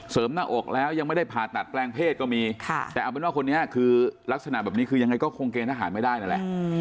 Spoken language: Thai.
หน้าอกแล้วยังไม่ได้ผ่าตัดแปลงเพศก็มีแต่เอาเป็นว่าคนนี้คือลักษณะแบบนี้คือยังไงก็คงเกณฑหารไม่ได้นั่นแหละ